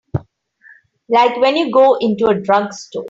Like when you go into a drugstore.